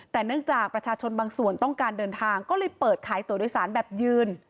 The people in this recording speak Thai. แต่เนื่องจากประชาชนบางส่วนต้องการเดินทางก็เลยเปิดขายตัวโดยสารแบบยืน